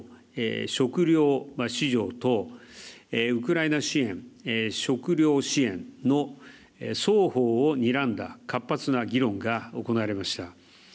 食料市場等ウクライナ支援食糧支援の双方をにらんだ活発な議論が行われました。